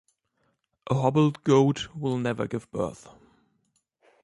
A hobbled goat will never give birth.